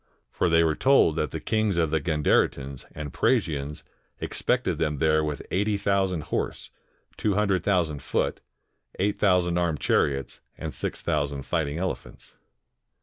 For they were told that the kings of the Gandaritans and Praesians expected them there •mth. eighty thousand horse, two hundred thousand foot, eight thousand armed chariots, and six thousand fighting elephants.